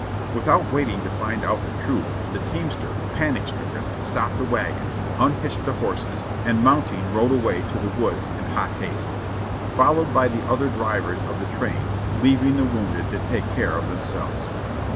\Mthout waiting to find out the truth the teamster, panic stricken, stopped the wagon, unhitched the horses, and mount ing rode away to the w^oods in hot haste, followed by the other drivers of the train, leaving the wounded to take care of them selves.